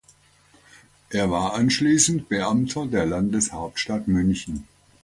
Er war anschließend Beamter der Landeshauptstadt München.